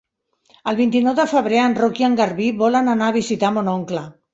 El vint-i-nou de febrer en Roc i en Garbí volen anar a visitar mon oncle.